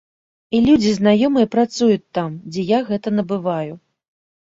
І людзі знаёмыя працуюць там, дзе я гэта набываю.